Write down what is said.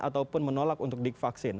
ataupun menolak untuk divaksin